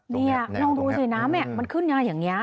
นี่ลองดูสิน้ำมันขึ้นมาอย่างนี้